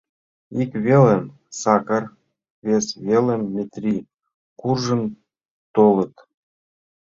Ик велым Сакар, вес велым Метрий куржын толыт.